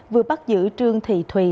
vừa bắt giữ trương thị thùy